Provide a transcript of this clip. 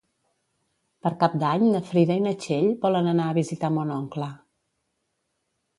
Per Cap d'Any na Frida i na Txell volen anar a visitar mon oncle.